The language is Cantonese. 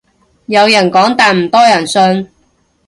有人講但唔多人信